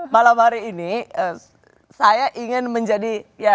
malam hari ini saya ingin menjadi